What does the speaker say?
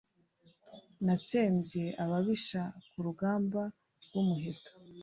Natsembye ababisha ku rugamba rw’umuheto.